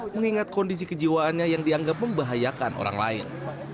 mengingat kondisi kejiwaannya yang dianggap membahayakan orang lain